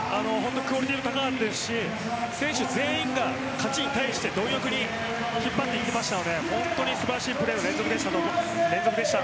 クオリティー高かったですし選手全員が勝ちに対して貪欲に引っ張っていきましたので本当に素晴らしいプレーの連続でした。